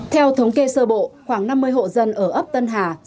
theo thống kê sơ bộ khoảng năm mươi hộ dân ở ấp tân hà